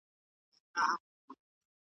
درد مي درته وسپړم څوک خو به څه نه وايي .